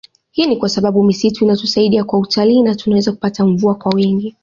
Hii ni kwa sababu misitu inatusaidia kwa utalii na tunaweza kupata mvua kwa wingi